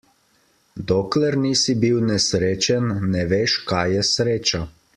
Dokler nisi bil nesrečen, ne veš, kaj je sreča.